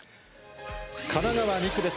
神奈川２区です。